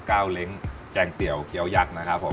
เลวเล้งแจงเตี๋ยวเกี้ยวยักษ์นะครับผม